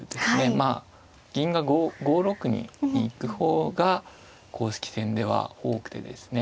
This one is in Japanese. まあ銀が５六に行く方が公式戦では多くてですね